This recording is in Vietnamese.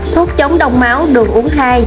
bảy thuốc chống đông máu được uống hai